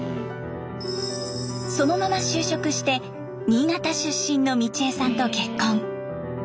そのまま就職して新潟出身の美千枝さんと結婚。